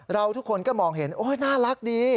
เราทุกคนก็มองเห็นโอ๊ยน่ารักดี